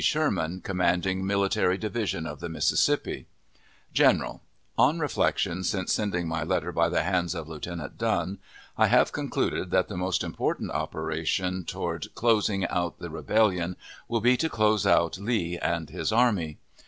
SHERMAN, commanding Military Division of the Mississippi GENERAL: On reflection since sending my letter by the hands of Lieutenant Dunn, I have concluded that the most important operation toward closing out the rebellion will be to close out Lee and his army.